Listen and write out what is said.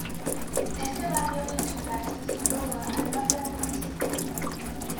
Este barrio, insular, se sitúa al norte del municipio.